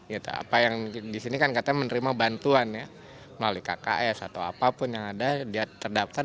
ya apa yang disini kan kata menerima bantuan ya melalui kks atau apapun yang ada dia terdaftar